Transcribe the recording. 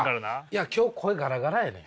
いや今日声ガラガラやねん。